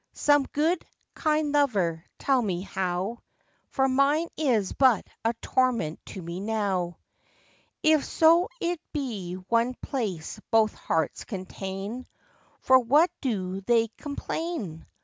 Some good, kind lover, tell me how: For mine is but a torment to me now. If so it be one place both hearts contain, For what do they complain?